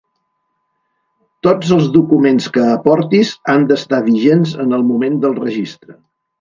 Tots els documents que aportis han d'estar vigents en el moment del registre.